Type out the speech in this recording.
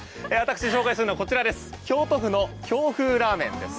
次にご紹介するのは京都府の京風ラーメンです。